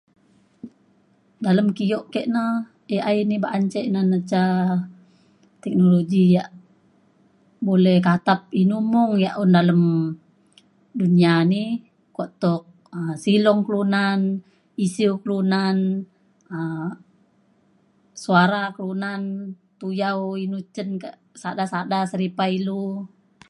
dalem kio ke na AI ni ba'an ce na na ca teknologi ia' bule katap inu mung ia' un dalem dunia ni kuak tuk um silong kelunan isiu kelunan um suara kelunan tuyau inu cen ka sada sada seripa ilu